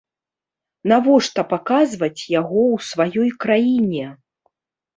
Навошта паказваць яго ў сваёй краіне?